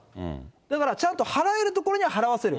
だから、ちゃんと払える所にはえ払わせる。